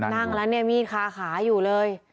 นั่งแล้วเนี่ยมีดคาขาอยู่เลย